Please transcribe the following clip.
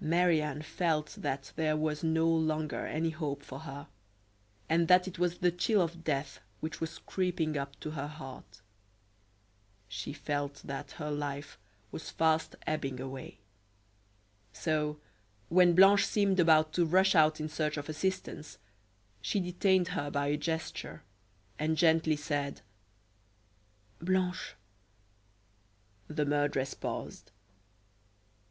Marie Anne felt that there was no longer any hope for her, and that it was the chill of death which was creeping up to her heart. She felt that her life was fast ebbing away. So, when Blanche seemed about to rush out in search of assistance, she detained her by a gesture, and gently said: "Blanche." The murderess paused.